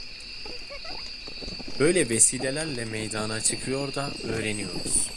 Böyle vesilelerle meydana çıkıyor da öğreniyoruz.